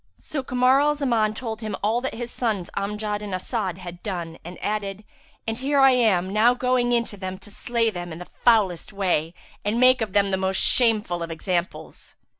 So Kamar al Zaman told him all that his sons Amjad and As'ad had done and added, "And here I am now going in to them to slay them in the foulest way and make of them the most shameful of examples."